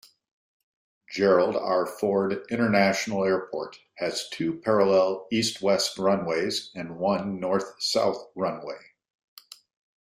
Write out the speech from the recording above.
Gerald R. Ford International Airport has two parallel east-west runways and one north-south runway.